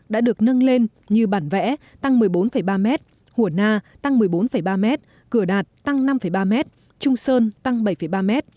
đã được nâng lên như bản vẽ tăng một mươi bốn ba m hùa na tăng một mươi bốn ba m cửa đạt tăng năm ba m trung sơn tăng bảy ba m